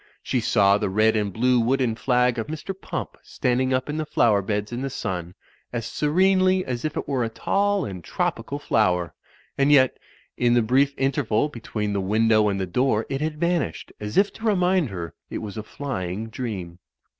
She saw the red and blue wooden flag of Mr. ! Pump standing up in the flower beds in the sim, as Digitized by CjOOQIC THE TURK AND THE FUTURISTS 259 serenely as if it were a tall and tropical flower; and yet, in the brief interval between the window and the door it had vanished, as if to remind her it was a flying dream.